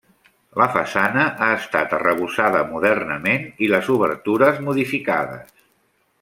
La façana ha estat arrebossada modernament i les obertures modificades.